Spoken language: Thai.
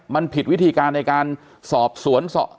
มันผิดวิธีการในการสอบสวน